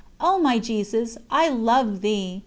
O my Jesus, I love Thee!